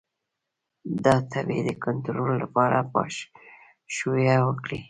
د تبې د کنټرول لپاره پاشویه وکړئ